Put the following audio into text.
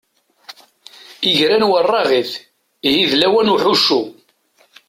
Igran weṛṛaɣit, ihi d lawan n uḥuccu.